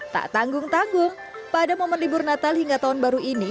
tak tanggung tanggung pada momen libur natal hingga tahun baru ini